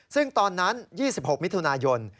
ซึ่งตอนนั้น๒๖มิถุนายน